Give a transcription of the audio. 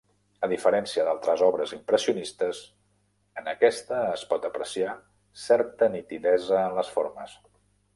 A diferència d'altres obres impressionistes, en aquesta es pot apreciar certa nitidesa en les formes.